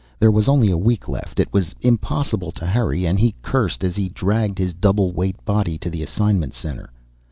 There was only a week left. It was impossible to hurry and he cursed as he dragged his double weight body to the assignment center.